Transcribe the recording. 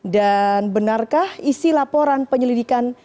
dan benarkah isi laporan penyelidikan